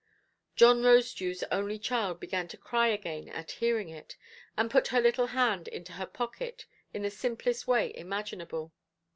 John Rosedewʼs only child began to cry again at hearing it, and put her little hand into her pocket in the simplest way imaginable.